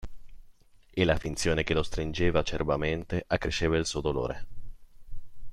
E la finzione che lo stringeva acerbamente accresceva il suo dolore.